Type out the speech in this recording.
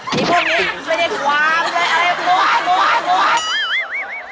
มีพวกนี้ช่วยได้ความอะไรพวก